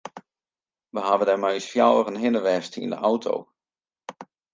We hawwe dêr mei ús fjouweren hinne west yn de auto.